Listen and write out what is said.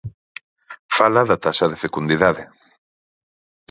Fala da taxa de fecundidade.